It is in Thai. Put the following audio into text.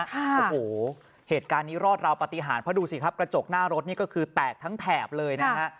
โอ้โหเหตุการณ์นี้รอดราวปฏิหารเพราะดูสิครับกระจกหน้ารถนี่ก็คือแตกทั้งแถบเลยนะฮะ